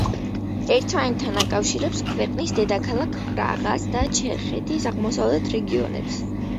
ერთმანეთთან აკავშირებს ქვეყნის დედაქალაქ პრაღასა და ჩეხეთის აღმოსავლეთ რეგიონებს.